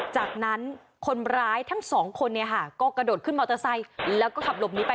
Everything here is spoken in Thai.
จากนั้นคนร้ายทั้งสองคนเนี่ยค่ะก็กระโดดขึ้นมอเตอร์ไซค์แล้วก็ขับหลบนี้ไป